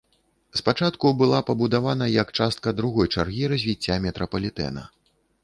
Спачатку была пабудавана як частка другой чаргі развіцця метрапалітэна.